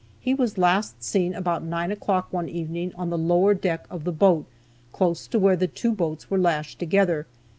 He was last seen about nine o'clock one evening on the lower deck of the boat, close to where the two boats were lashed together.